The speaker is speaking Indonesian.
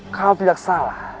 kalau tidak salah